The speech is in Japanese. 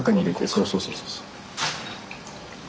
そうそうそうそうそう。